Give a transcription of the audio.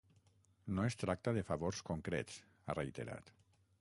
No es tracta de favors concrets, ha reiterat.